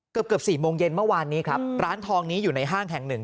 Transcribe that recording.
เกือบ๔โมงเย็นเมื่อวานนี้ครับร้านทองนี้อยู่ในห้างแห่งหนึ่ง